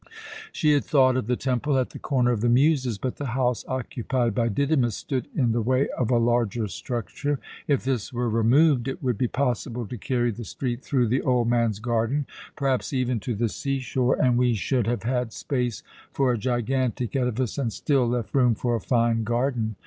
She had thought of the temple at the Corner of the Muses, but the house occupied by Didymus stood in the way of a larger structure. If this were removed it would be possible to carry the street through the old man's garden, perhaps even to the sea shore, and we should have had space for a gigantic edifice and still left room for a fine garden.